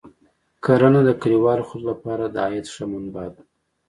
کرنه د کلیوالو خلکو لپاره د عاید ښه منبع ده.